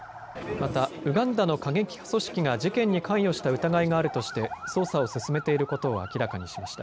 また、ウガンダの過激派組織が事件に関与した疑いがあるとして捜査を進めていることを明らかにしました。